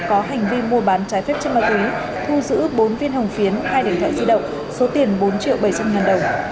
có hành vi mua bán trái phép chất ma túy thu giữ bốn viên hồng phiến hai điện thoại di động số tiền bốn triệu bảy trăm linh ngàn đồng